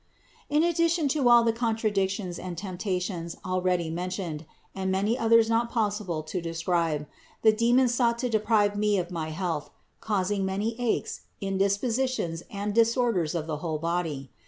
7. In addition to all the contradictions and temptations already mentioned, and many others not possible to de scribe, the demon sought to deprive me of my health, causing many aches, indispositions and disorders of the whole body.